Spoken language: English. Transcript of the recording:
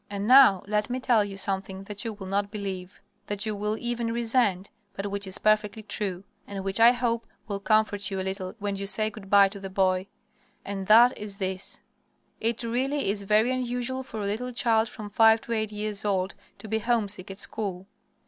And now let me tell you something that you will not believe that you will even resent, but which is perfectly true, and which I hope will comfort you a little when you say good by to the boy and that is this: it really is very unusual for a little child from five to eight years old to be homesick at school.